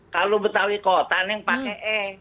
kalau betawi kota neng pakai e